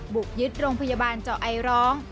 บุกยึดโรงพยาบาลเจาะไอร้อง